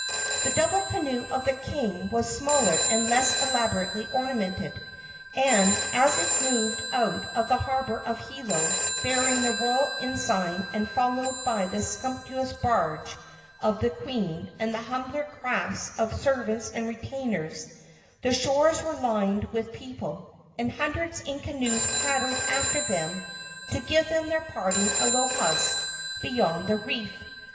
The double canoe of the king was smaller and less elaborately ornamented; and as it moved out of the harbor of Hilo, bearing the royal ensign and followed by the sumptuous barge of the queen and the humbler crafts of servants and retainers, the shores were lined with people, and hundred in canoes paddled after them to give them their parting alohas beyond the reef.